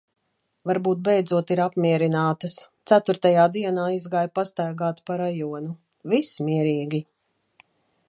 Varbūt beidzot ir apmierinātas. Ceturtajā dienā izgāju pastaigāt pa rajonu. Viss mierīgi.